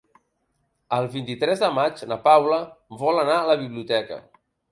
El vint-i-tres de maig na Paula vol anar a la biblioteca.